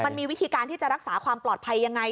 มันมีวิธีการที่จะรักษาความปลอดภัยยังไง